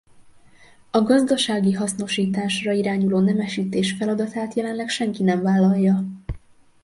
A gazdasági hasznosításra irányuló nemesítés feladatát jelenleg senki nem vállalja.